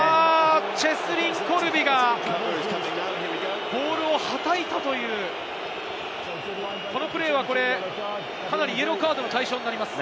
チェスリン・コルビがボールをはたいたという、このプレーは、かなりイエローカードの対象になりますね。